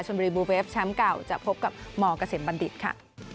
จนบริบุเวฟแชมป์๙จะพบกับมเกษมบัณฑิตค่ะ